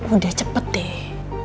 udah cepet deh